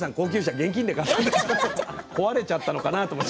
壊れちゃったのかなと思って。